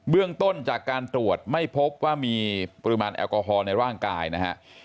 เรื่องต้นจากการตรวจไม่พบว่ามีปริมาณแอลกอฮอลในร่างกายนะฮะ